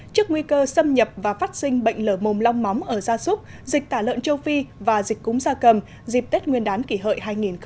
trước nguy cơ xâm nhập và phát sinh bệnh lở mồm long móng ở gia súc dịch tả lợn châu phi và dịch cúng gia cầm dịp tết nguyên đán kỷ hợi hai nghìn một mươi chín